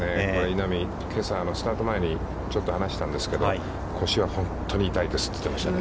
稲見、けさ、スタート前にちょっと話したんですけど、腰が本当に痛いですといってましたね。